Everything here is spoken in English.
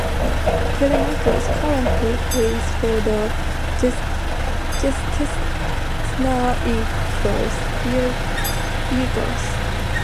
Telemachus currently plays for the Gestetner Eagles.